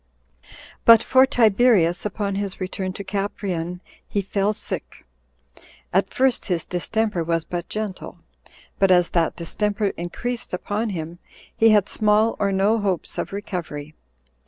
8. But for Tiberius, upon his return to Caprein, he fell sick. At first his distemper was but gentle; but as that distemper increased upon him, he had small or no hopes of recovery.